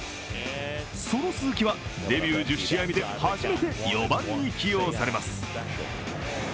その鈴木はデビュー１０試合目で初めて４番に起用されます。